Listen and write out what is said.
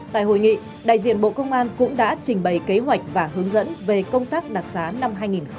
tại hội nghị đại diện bộ công an cũng đã trình bày kế hoạch và hướng dẫn về công tác đặc sá năm hai nghìn hai mươi